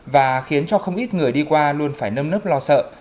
và khiến cho không ít người đi qua luôn phải nâm nớp lo sợ